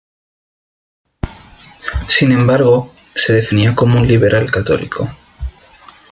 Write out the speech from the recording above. Sin embargo, se definía como un liberal católico.